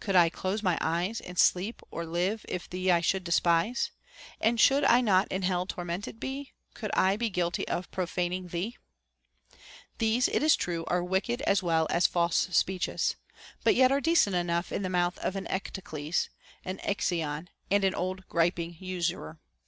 Could I close my eyes In sleep, or live, if thee I should despise 1 And should I not in hell tormented be, Could I be guilty of profaning thee 1 1 These, it is true, are wicked as well as false speeches, but yet are decent enough in the mouth of an Eteocles, an Ixion, and an old griping usurer.